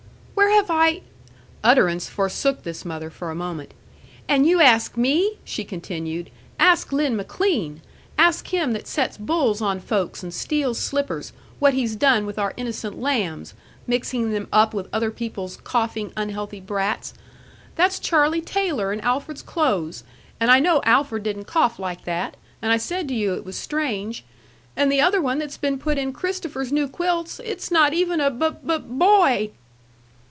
"Where have I " Utterance forsook this mother for a moment. "And you ask me!" she continued. "Ask Lin McLean. Ask him that sets bulls on folks and steals slippers, what he's done with our innocent lambs, mixing them up with other people's coughing, unhealthy brats. That's Charlie Taylor in Alfred's clothes, and I know Alfred didn't cough like that, and I said to you it was strange; and the other one that's been put in Christopher's new quilts is not even a bub bub boy!"